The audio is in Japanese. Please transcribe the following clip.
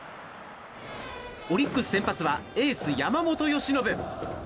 オリックス先発はエース山本由伸。